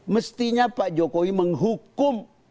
mestinya pak jokowi menghukum